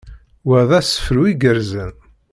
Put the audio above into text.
Wa d asefru igerrzen.